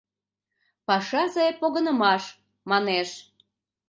«Пашазе погынымаш» манеш.